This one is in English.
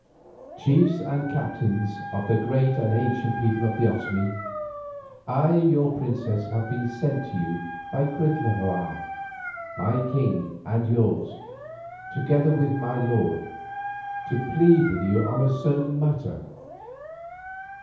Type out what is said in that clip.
"Chiefs and captains of the great and ancient people of the Otomie, I your princess have been sent to you by Cuitlahua, my king and yours, together with my lord, to plead with you on a certain matter.